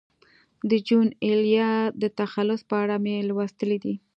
د جون ایلیا د تخلص په اړه مې لوستي دي.